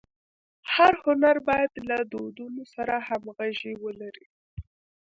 هر هنر باید له دودونو سره همږغي ولري.